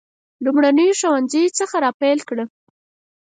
لومړنیو ښوونځیو څخه را پیل کړه.